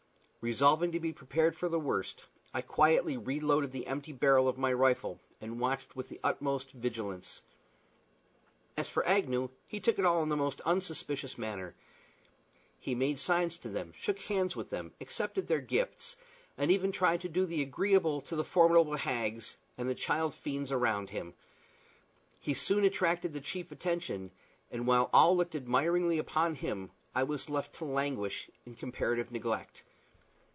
Resolving to be prepared for the worst, I quietly reloaded the empty barrel of my rifle and watched with the utmost vigilance. As for Agnew, he took it all in the most unsuspicious manner. He made signs to them, shook hands with them, accepted their gifts, and even tried to do the agreeable to the formidable hags and the child fiends around him. He soon attracted the chief attention, and while all looked admiringly upon him, I was left to languish in comparative neglect.